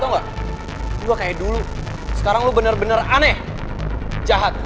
ternyata lo udah kaya dulu sekarang lo bener bener aneh jahat